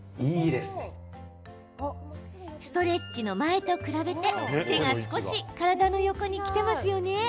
ストレッチの前と比べて手が少し体の横にきていますよね？